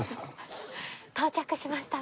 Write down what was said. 到着しました。